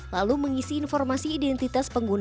lalu mengisi informasi identitas pengguna